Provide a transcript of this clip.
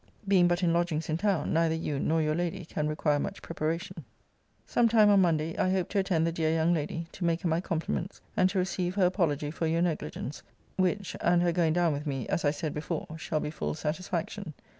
Being but in lodgings in town, neither you nor your lady can require much preparation. Some time on Monday I hope to attend the dear young lady, to make her my compliments; and to receive her apology for your negligence: which, and her going down with me, as I said before, shall be full satisfaction.